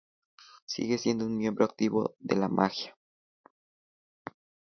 Sigue siendo un miembro activo de la Maggia.